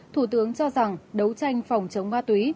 thủ tướng cho rằng đấu tranh phòng chống ma túy